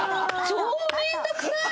超面倒くさい！